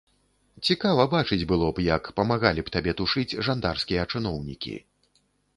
Цікава бачыць было б, як памагалі б табе тушыць жандарскія чыноўнікі.